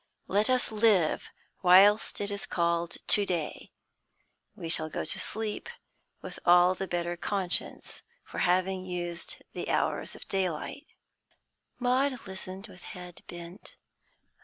Let us live whilst it is called to day; we shall go to sleep with all the better conscience for having used the hours of daylight." Maud listened with head bent.